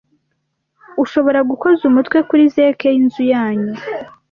ushobora gukoza umutwe kuri zeke y’inzu yanyu